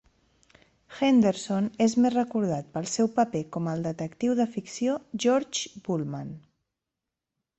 Henderson és més recordat pel seu paper com al detectiu de ficció George Bulman.